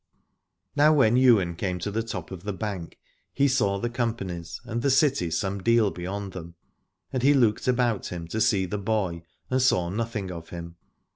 Now when Ywain came to the top of the bank he saw the companies, and the city some deal beyond them, and he looked about him to see the boy, and saw nothing of him.